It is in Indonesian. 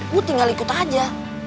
gue tinggal ikut aja